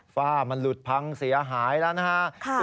ฝ้ามันหลุดพังเสียหายแล้วนะฮะ